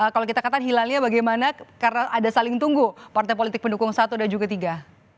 kalau kita katakan hilalnya bagaimana karena ada saling tunggu partai politik pendukung satu dan juga tiga